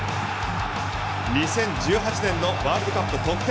２０１８年のワールドカップ得点